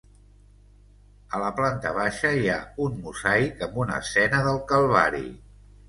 A la planta baixa hi ha un mosaic amb una escena del Calvari.